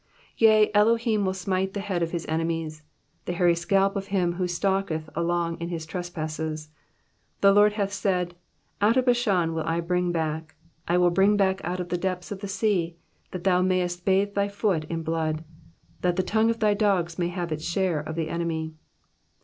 22 Yea, Elohim will smite the head of His enemies, The hairy scalp of him who stalketh along in his trespasses. 23 The Lord hath said : Out of Bashan will I bring back, I will bring back out of the depths of the sea, 24 That thou mayest bathe thy foot in blood. That the tongue of thy dogs may have its share of the enemy.